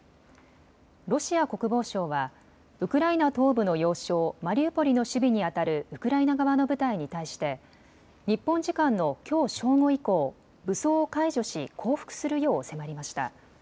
ロシア国防省はウクライナ東部の要衝マリウポリの守備にあたるウクライナ側の部隊に対して日本時間のきょう正午以降、武装を解除し降伏するよう迫りました。